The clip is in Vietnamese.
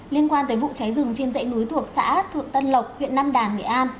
liên quan tới vụ cháy rừng trên dãy núi thuộc xã thượng tân lộc huyện nam đàn nghệ an